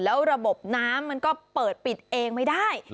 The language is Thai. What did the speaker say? แล้วระบบน้ำมันก็เปิดปิดเองไม่ได้